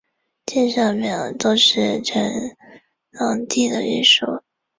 殿上匾额都是乾隆帝御书。